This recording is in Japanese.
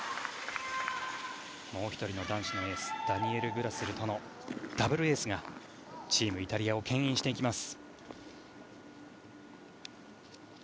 もう１人の男子のエースダニエル・グラスルとのダブルエースがチームイタリアをけん引していきます。